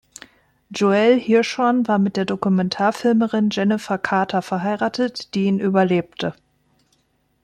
Joel Hirschhorn war mit der Dokumentarfilmerin Jennifer Carter verheiratet, die ihn überlebte.